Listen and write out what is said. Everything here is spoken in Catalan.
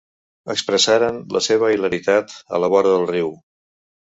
Expressaran la seva hilaritat a la vora del riu.